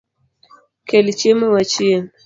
Kel chiemo wachiem